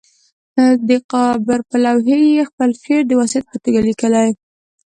د قبر پر لوحې یې خپل شعر د وصیت په توګه لیکلی.